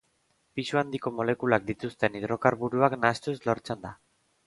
Pisu handiko molekulak dituzten hidrokarburoak nahastuz lortzen da.